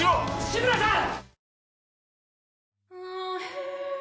・志村さん！